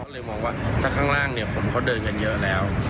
ก็เลยมองว่าถ้าข้างล่างเนี่ยคนเขาเดินกันเยอะแล้ว